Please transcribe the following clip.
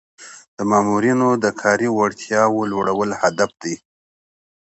د مامورینو د کاري وړتیاوو لوړول هدف دی.